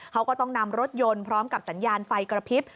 เขาก็ต้องนำรถยนต์พร้อมกับสัญญาณไฟกระพริบ